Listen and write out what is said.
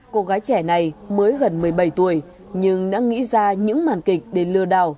cô gái trẻ này mới gần một mươi bảy tuổi nhưng đã nghĩ ra những màn kịch để lừa đảo